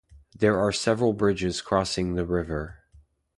There are several bridges crossing the river.